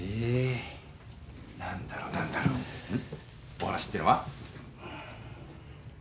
お話っていうのは？